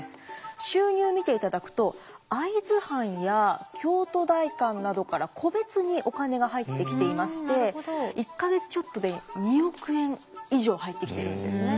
収入見ていただくと会津藩や京都代官などから個別にお金が入ってきていまして１か月ちょっとで２億円以上入ってきているんですね。